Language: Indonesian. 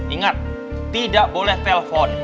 ingat tidak boleh telpon